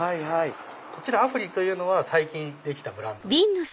こちら雨降というのは最近できたブランドです。